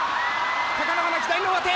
貴乃花、期待の上手。